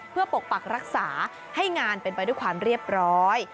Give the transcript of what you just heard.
เพื่อปกปักรักษาให้งานเป็นไปด้วยความเรียบร้อย